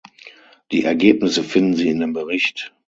Die Ergebnisse finden Sie in dem Bericht.